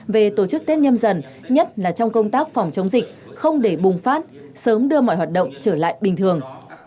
về tổ chức tết nhâm dần nhất là trong công tác phòng chống dịch không để bùng phát sớm đưa mọi hoạt động trở lại bình thường